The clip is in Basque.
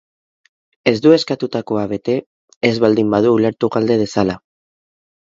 Ez du eskatutakoa bete, ez baldin badu ulertu galde dezala.